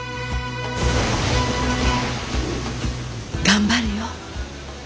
頑張るよ。